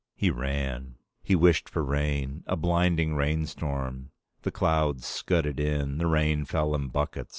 He ran. He wished for rain. A blinding rainstorm. The clouds scudded in. The rain fell in buckets.